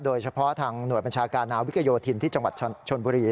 โดยเฉพาะทางหน่วยบัญชาการนาวิกโยธินที่จังหวัดชนบุรี